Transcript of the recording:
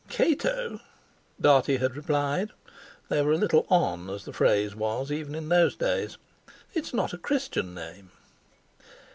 "Cato!" Dartie had replied—they were a little 'on' as the phrase was even in those days—"it's not a Christian name."